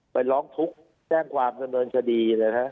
ไปร้องทุกข์แจ้งความดำเนินคดีนะฮะ